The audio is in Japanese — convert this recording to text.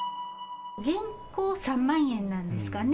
現行３万円なんですかね。